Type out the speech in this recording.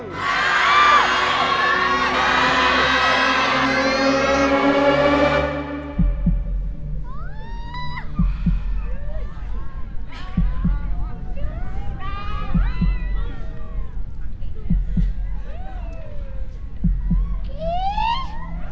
กรี๊ด